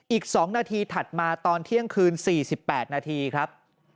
อีก๒นาทีถัดมาตอนเที่ยงคืน๔๘นาทีครับ